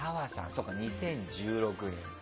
そうか、２０１６年ね。